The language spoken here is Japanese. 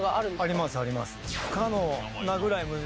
ありますあります。